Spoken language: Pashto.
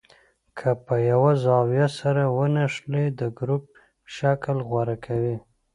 که په یوه زاویه سره ونښلي د ګروپ شکل غوره کوي.